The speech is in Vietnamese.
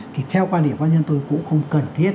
thì theo quan điểm cá nhân tôi cũng không cần thiết